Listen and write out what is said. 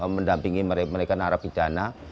mendampingi mereka narapidana